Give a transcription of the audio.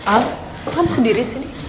al kamu sendiri disini